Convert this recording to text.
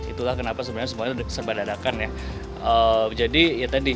itulah kenapa sebenarnya semuanya serba dadakan ya tadi